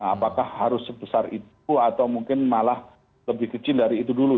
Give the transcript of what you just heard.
apakah harus sebesar itu atau mungkin malah lebih kecil dari itu dulu